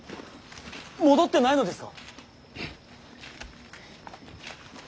戻ってないのですか！